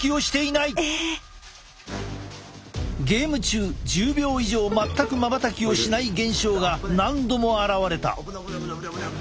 ゲーム中１０秒以上全くまばたきをしない現象が何度も現れた。